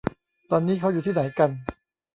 ตอนนี้เค้าอยู่ที่ไหนกัน